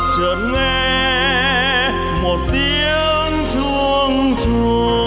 chợt nghe một tiếng chuông chua